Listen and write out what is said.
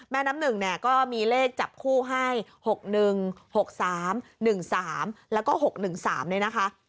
น้ำหนึ่งเนี่ยก็มีเลขจับคู่ให้๖๑๖๓๑๓แล้วก็๖๑๓เนี่ยนะคะ